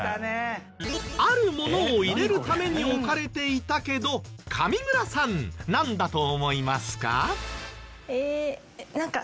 あるものを入れるために置かれていたけど上村さんなんだと思いますか？